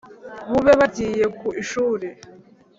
bube bagiye ku ishuri